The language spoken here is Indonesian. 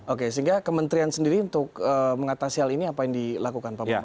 oke sehingga kementerian sendiri untuk mengatasi hal ini apa yang dilakukan pak bambang